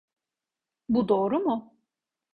Bu doğru mu?